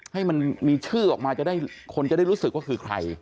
ให้มันมีชื่อออกมาจะได้คนจะได้รู้สึกว่าคือใคร